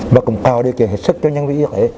và cũng có điều kiện hợp sức cho nhân viên y khỏe